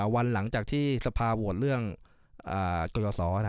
วันหลังจากที่สภาโหวตเรื่องกรยศ